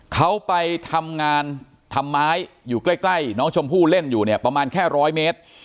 เขาไปทำงานทำไมอยู่ใกล้น้องชมพู่เล่นอยู่เนี่ยประมาณแค่ร้อยเมตร